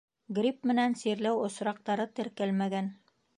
Грипп менән сирләү осраҡтары теркәлмәгән.